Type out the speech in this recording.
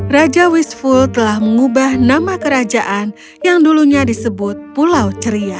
raja wisful telah mengubah nama kerajaan yang dulunya disebut pulau ceria